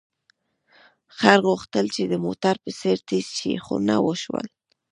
خر غوښتل چې د موټر په څېر تېز شي، خو ونه شول.